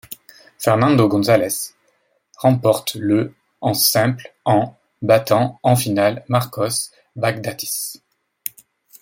Fernando González remporte le en simple en battant en finale Márcos Baghdatís.